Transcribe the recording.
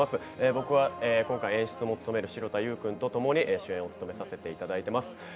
僕は今回演出も務める城田優君と一緒に主演を務めさせていただいています。